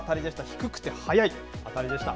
低くて速い当たりでした。